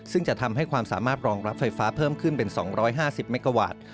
ซึ่งจะทำให้ความสามารถรองรับไฟฟ้าเพิ่มขึ้นเป็น๒๕๐เมกาวัตต์